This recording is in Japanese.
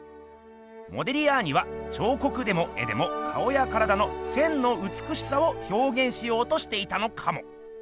モディリアーニは彫刻でも絵でも顔や体の線のうつくしさを表現しようとしていたのかも。